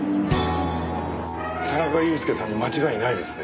田中裕介さんに間違いないですね？